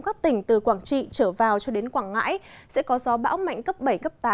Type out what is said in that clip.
các tỉnh từ quảng trị trở vào cho đến quảng ngãi sẽ có gió bão mạnh cấp bảy cấp tám